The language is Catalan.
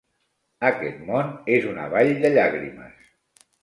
Aquest món és una vall de llàgrimes.